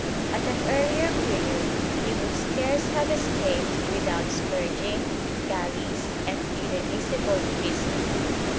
^ At an earlier period he would scarce have escaped without scourging, galleys and irremissible prison.